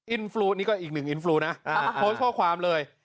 ฟลุ๊กนี่ก็อีกหนึ่งอินฟลูนะโพสต์ข้อความเลย